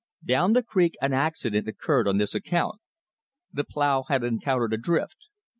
Down the creek an accident occurred on this account. The plow had encountered a drift.